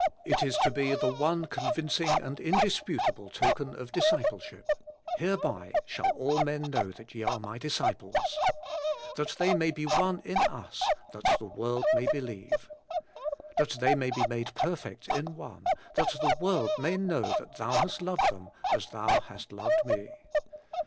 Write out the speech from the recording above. It is to be the one convincing and indisputable token of discipleship: 'Hereby shall all men hnow that ye are my disciples;' *That they may be one in us, that the ivorld may he lieve;^ *That they may be made perfect in one, that AND IN LOVE TO THE BRETHREN. 193 the world may know that Thou hast loved them, as Thou hast loved me.'